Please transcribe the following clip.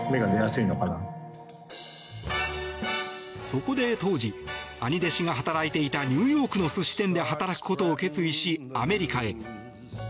そこで当時兄弟子が働いていたニューヨークの寿司店で働くことを決意し、アメリカへ。